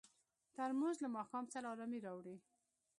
ترموز له ماښام سره ارامي راوړي.